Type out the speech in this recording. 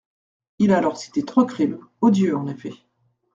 » Il a alors cité trois crimes, odieux en effet.